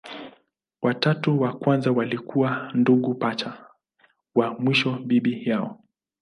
Watatu wa kwanza walikuwa ndugu pacha, wa mwisho bibi yao.